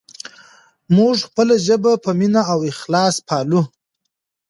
موږ خپله ژبه په مینه او اخلاص پالو.